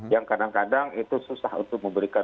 yang kadang kadang itu susah untuk memberikan